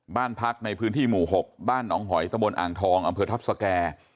บ้านพักในพื้นที่หมู่๖บ้านหนองหอยตะบนอ่างทองอำเภอทัพสแก่